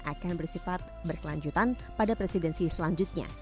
akan bersifat berkelanjutan pada presidensi selanjutnya